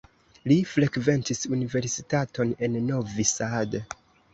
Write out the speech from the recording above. Li frekventis universitaton en Novi Sad.